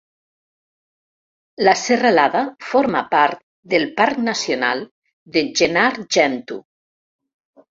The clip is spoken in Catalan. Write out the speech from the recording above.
La serralada forma part del parc nacional de Gennargentu.